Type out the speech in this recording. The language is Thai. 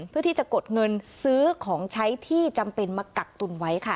เพื่อที่จะกดเงินซื้อของใช้ที่จำเป็นมากักตุนไว้ค่ะ